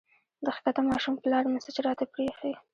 د ښکته ماشوم پلار مسېج راته پرېښی